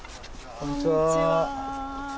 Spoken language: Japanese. こんにちは。